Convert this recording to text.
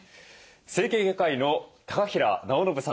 整形外科医の高平尚伸さんです。